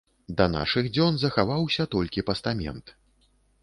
Да нашых дзён захаваўся толькі пастамент.